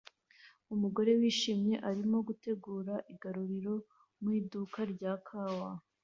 Umugore wishimye arimo gutegura agaruriro mu iduka rya kawa